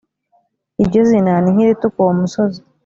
iryo zina ni nk’irituka uwo musozi